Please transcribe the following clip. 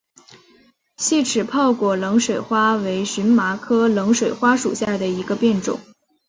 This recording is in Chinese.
细齿泡果冷水花为荨麻科冷水花属下的一个变种。